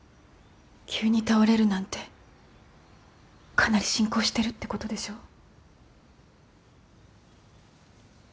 急に倒れるなんてかなり進行してるってことでしょ？